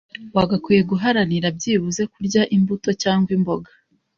wagakwiye guharanira byibuze kurya imbuto cg imboga